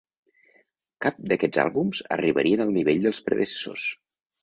Cap d'aquests àlbums arribarien al nivell dels predecessors.